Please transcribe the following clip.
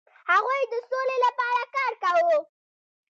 هغوی د سولې لپاره کار کاوه.